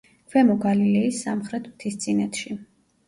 ქვემო გალილეის სამხრეთ მთისწინეთში.